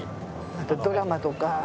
あとドラマとか。